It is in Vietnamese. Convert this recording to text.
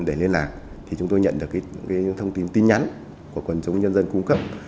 để liên lạc thì chúng tôi nhận được những thông tin tin nhắn của quần chúng nhân dân cung cấp